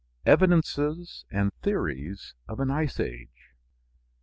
EVIDENCES AND THEORIES OF AN ICE AGE.